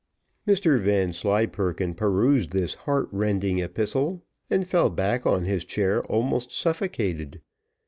Mr Vanslyperken perused this heart rending epistle, and fell back on his chair almost suffocated.